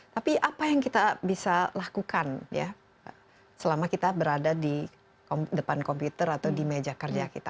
tapi apa yang kita bisa lakukan selama kita berada di depan komputer atau di meja kerja kita